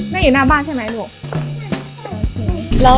ไหนอยู่หน้าบ้านใช่ไหมเนาะ